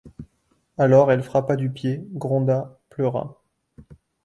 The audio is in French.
Alors elle frappa du pied, gronda, pleura